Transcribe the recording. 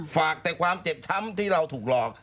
ฝากแต่ความเจ็บช้ำที่เราถูกหลอก